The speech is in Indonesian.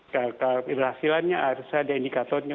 kalau hasilnya harus ada indikatornya